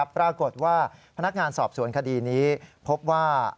ปรากฏว่าพนักงานสอบสวนคดีนี้พบว่า